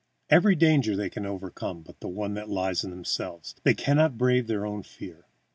Every danger they can overcome but the one that lies in themselves. They cannot brave their own fear.